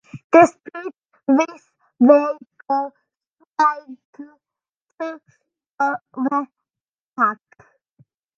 Despite this, they go straight to the attack.